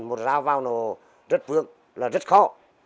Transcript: một rao vào nó rất vượt là rất khó